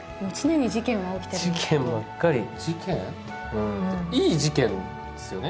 うんいい事件ですよね？